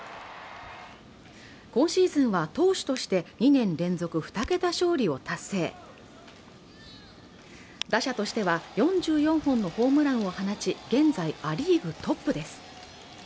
今シーズンは投手として２年連続２桁勝利を達成打者としては、４４本のホームランを放ち現在、ア・リーグトップです。